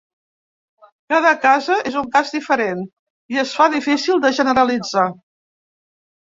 Cada casa és un cas diferent i es fa difícil de generalitzar.